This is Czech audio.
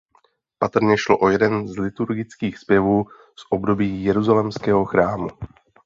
Patrně šlo o jeden z liturgických zpěvů z období jeruzalémského chrámu.